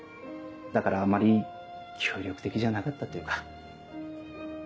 だからあまり協力的じゃなかったというか。